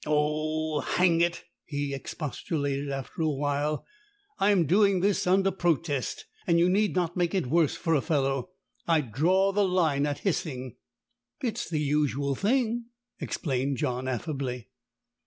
"Oh, hang it!" he expostulated after a while, "I am doing this under protest, and you need not make it worse for a fellow. I draw the line at hissing." "It's the usual thing," explained John affably.